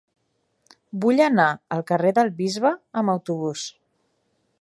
Vull anar al carrer del Bisbe amb autobús.